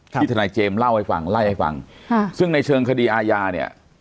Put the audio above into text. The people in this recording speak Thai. ทนายเจมส์เล่าให้ฟังไล่ให้ฟังซึ่งในเชิงคดีอาญาเนี่ย